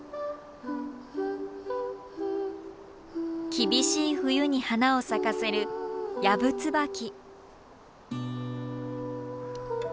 厳しい冬に花を咲かせるヤブツバキ。